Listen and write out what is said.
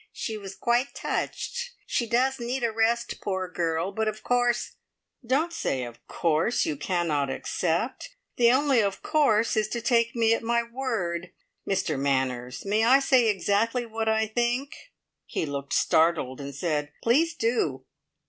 She was quite touched. She does need a rest, poor girl, but, of course " "Don't say `of course' you cannot accept! The only `of course' is to take me at my word. Mr Manners, may I say exactly what I think?" He looked startled and said, "Please do!"